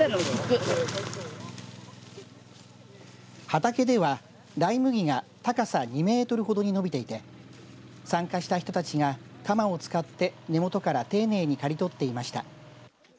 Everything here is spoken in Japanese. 畑ではライ麦が高さ２メートルほどに伸びていて参加した人たちが鎌を使って根元から丁寧に刈り取っていました。